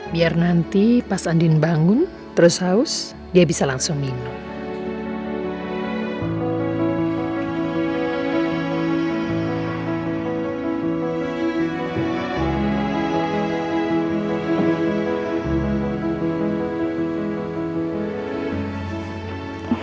biar nanti pas andin bangun terus haus dia bisa langsung minum